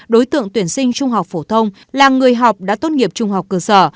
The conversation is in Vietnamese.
đối tượng tuyển sinh trung học phổ thông là người học đã tốt nghiệp trung học cơ sở